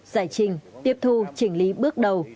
giải trình tiếp thu chỉnh lý bước đầu